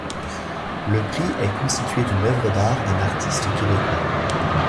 Le Prix est constitué d'une œuvre d'art d'un artiste québécois.